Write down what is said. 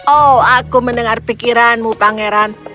oh aku mendengar pikiranmu pangeran